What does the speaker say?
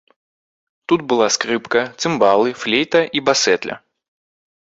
Тут была скрыпка, цымбалы, флейта і басэтля.